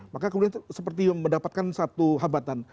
maka kemudian seperti mendapatkan satu habatan